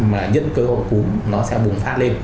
mà nhân cơ hội húm nó sẽ bùng phát lên